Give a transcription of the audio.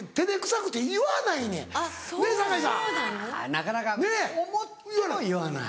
なかなか思っても言わない。